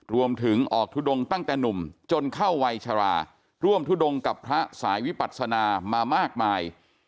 รวมถึงออกทุดงตั้งแต่หนุ่มจนเข้าวัยชราร่วมทุดงกับพระสายวิปัศนามามากมาย